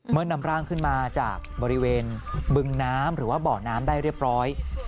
นำร่างขึ้นมาจากบริเวณบึงน้ำหรือว่าเบาะน้ำได้เรียบร้อย